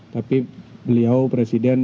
tapi beliau presidennya